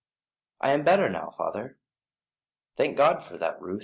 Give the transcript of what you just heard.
"I am better now, father." "Thank God for that, Ruth.